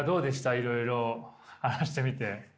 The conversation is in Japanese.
いろいろ話してみて。